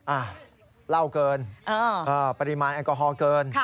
อ่ะเล่าเกินปริมาณแอลกอฮอลเกิน